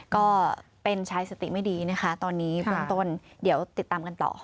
ก็เป็นชายสติไม่ดีนะคะตอนนี้เบื้องต้นเดี๋ยวติดตามกันต่อ